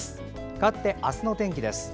かわって明日の天気です。